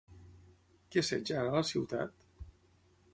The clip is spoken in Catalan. Què assetja ara la ciutat?